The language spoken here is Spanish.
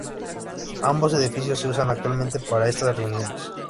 Ambos edificios se usan actualmente para estas reuniones.